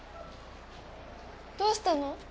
どうしたの？